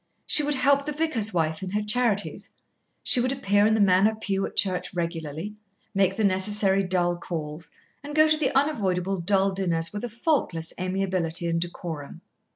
She would help the vicar's wife in her charities, she would appear in the Manor pew at church regularly, make the necessary dull calls, and go to the unavoidable dull dinners with a faultless amiability and decorum.